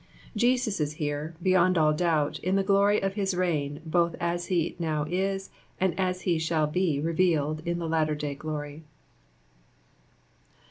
Jesus w heie, beyond all doubt, in the glory of his reign, both as he now is, and as he shall be revealed in the tatter day glory.